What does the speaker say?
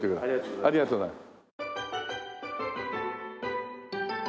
ありがとうございます。